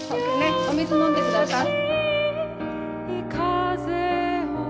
お水飲んで下さい。